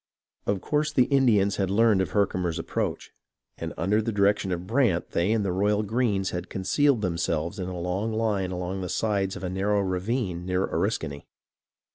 Of course the Indians had learned of Herkimer's ap proach, and under the direction of Brant they and the Royal Greens had concealed themselves in a long line along the sides of a narrow ravine near Oriskany.